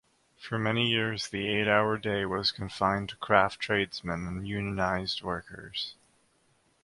For many years the eight-hour day was confined to craft tradesmen and unionised workers.